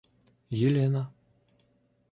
Елена